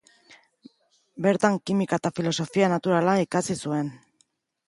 Bertan kimika eta filosofia naturala ikasi zuen.